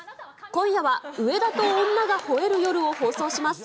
今夜は上田と女が吠える夜を放送します。